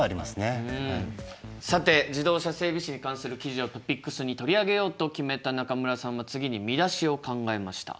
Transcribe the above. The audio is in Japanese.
さて自動車整備士に関する記事をトピックスに取り上げようと決めた中村さんは次に見出しを考えました。